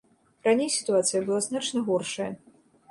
Раней сітуацыя была значна горшая.